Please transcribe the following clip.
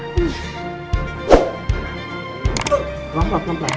pelan pelan pelan pelan